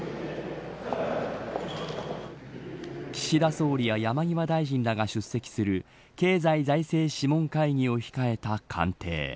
岸田総理や山際大臣らが出席する経済財政諮問会議を控えた官邸。